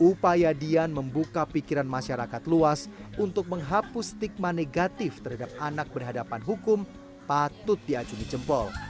upaya dian membuka pikiran masyarakat luas untuk menghapus stigma negatif terhadap anak berhadapan hukum patut diacungi jempol